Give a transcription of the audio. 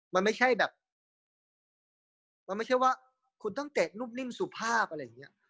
มันไม่ใช่แบบว่าคุณต้องเก็บนุ่มนิ่มสุภาพอะไรอย่างนี้